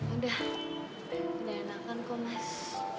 udah enakan kok mas